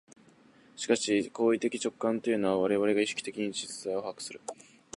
しかし行為的直観というのは、我々が意識的に実在を把握する、